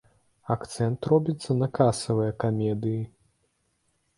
Акцэнт робіцца на касавыя камедыі.